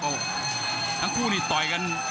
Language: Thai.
แล้วทั้งคู่นี้ต่อยกัน